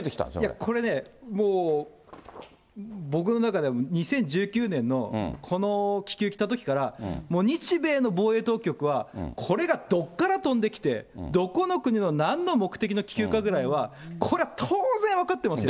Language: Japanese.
これね、もう僕の中では、２０１９年のこの気球来たときから、もう日米の防衛当局は、これがどこから飛んできて、どこの国のなんの目的の気球かぐらいは、これは当然分かってますよ。